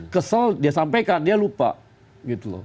kesel dia sampaikan dia lupa gitu loh